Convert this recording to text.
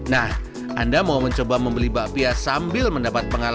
nah anda mau mencoba membeli mbak pia sambil mendapat pengembangan